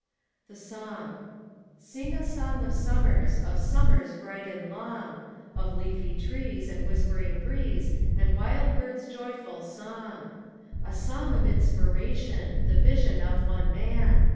1 << THE SONG. t( Sing a song of summers, Of summers bright and long; Of leafy trees and whispering breezo And wild bird's joyful song. "A song of inspiration! The vision of one man!